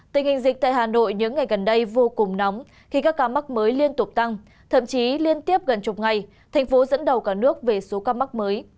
tình hình dịch tại hà nội những ngày gần đây vô cùng nóng khi các ca mắc mới liên tục tăng thậm chí liên tiếp gần chục ngày thành phố dẫn đầu cả nước về số ca mắc mới